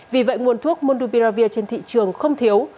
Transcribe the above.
vì vậy nguồn thuốc mondupiravir trên thị trường không thiếu